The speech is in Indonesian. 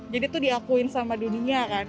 jadi itu diakuin sama dunia kan